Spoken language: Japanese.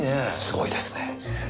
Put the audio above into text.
すごいですね。